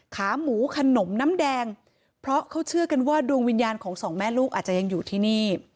ขาหมูขนมน้ำแดงเพราะเขาเชื่อกันว่าดวงวิญญาณของสองแม่ลูกอาจจะยังอยู่ที่นี่